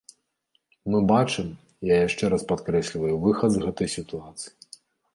Мы бачым, я яшчэ раз падкрэсліваю, выхад з гэтай сітуацыі.